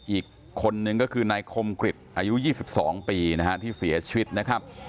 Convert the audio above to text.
อีกคนนึงก็คือนายคมกริจอายุ๒๒ปีนะฮะที่เสียชีวิตนะครับ